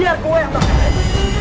biar gue yang bakar